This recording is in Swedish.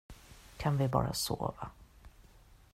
Kan vi bara sova?